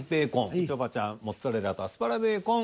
みちょぱちゃん「モッツァレラとアスパラベ―コン」。